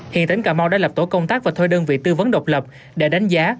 hiện tỉnh cà mau đã lập tổ công tác và thuê đơn vị tư vấn độc lập để đánh giá